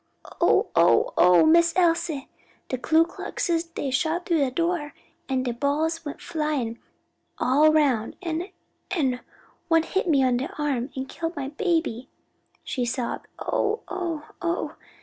"Oh, oh, oh, Miss Elsie! de Ku Kluxes dey shot tru de doah, an' de balls flyin' all roun', an' an' one hit me on de arm, an' killed my baby!" she sobbed, "oh! oh! oh!